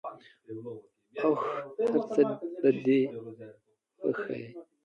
اوښه ! هرڅه دی بی هوښه .